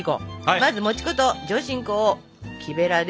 まずもち粉と上新粉を木べらで混ぜて下さい。